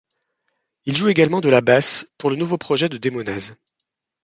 Il joue également de la basse pour le nouveau projet de Demonaz.